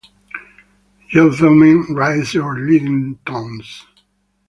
Gentlemen, raise your leading tones!